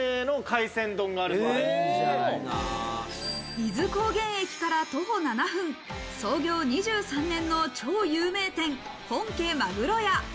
伊豆高原駅から徒歩７分、創業２３年の超有名店、本家鮪屋。